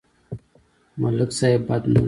ملک صيب بد نه دی.